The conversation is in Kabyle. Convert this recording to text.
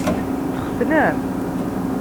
Txetnem?